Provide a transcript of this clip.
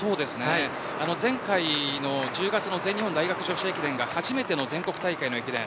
前回の１０月の全日本大学女子駅伝が初めての全国大会の駅伝。